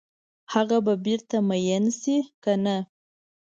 هغه به بیرته بیا میین شي کنه؟